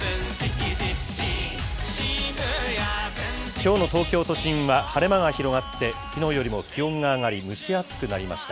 きょうの東京都心は晴れ間が広がって、きのうよりも気温が上がり、蒸し暑くなりました。